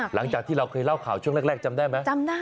หลังจากที่เราเคยเล่าข่าวช่วงแรกจำได้ไหมจำได้